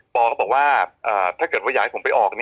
ปอบอกว่าถ้าเกิดอยากให้ผมไปออก